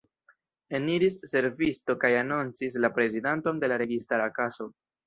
Eniris servisto kaj anoncis la prezidanton de la registara kaso.